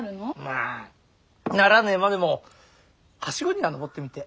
あならねえまでも梯子には登ってみてえ。